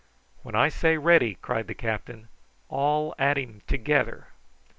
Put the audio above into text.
"When I say ready," cried the captain, "all at him together."